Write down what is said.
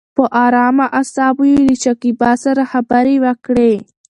په ارامه اصابو يې له شکيبا سره خبرې وکړې.